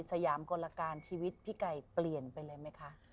สยามกลการชีวิตพี่ไก่เปลี่ยนไปเลยไหมคะ